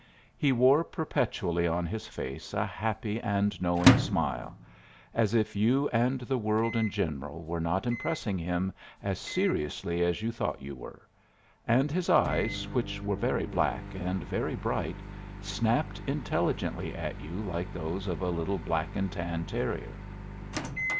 He wore perpetually on his face a happy and knowing smile, as if you and the world in general were not impressing him as seriously as you thought you were, and his eyes, which were very black and very bright, snapped intelligently at you like those of a little black and tan terrier.